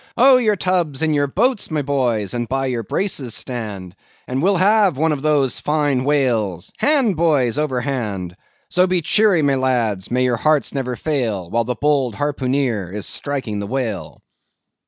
Oh, your tubs in your boats, my boys, And by your braces stand, And we'll have one of those fine whales, Hand, boys, over hand! So, be cheery, my lads! may your hearts never fail! While the bold harpooner is striking the whale!